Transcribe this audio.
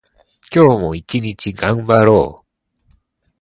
今日も一日頑張ろう。